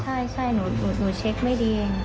ใช่หนูเช็คไม่ดี